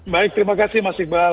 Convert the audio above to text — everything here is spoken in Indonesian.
baik terima kasih mas iqbal